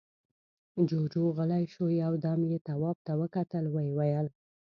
جُوجُو غلی شو، يو دم يې تواب ته وکتل، ويې ويل: